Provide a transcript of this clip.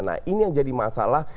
nah ini yang jadi masalah